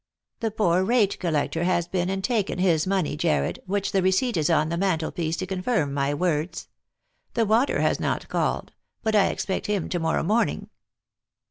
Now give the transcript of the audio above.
" The poor rate collector has been and taken his money, Jarred, which the receipt is on the mantel piece to confirm my words. The water has not called ; but I expect him to morrow morning."